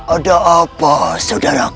ada apa saudaraku